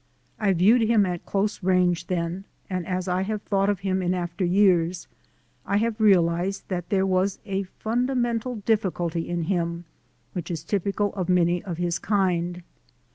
I viewed him at close range then, and as I have thought of him in after years, I have realized that there was a fundamental difficulty in him which is typical of many of his kind.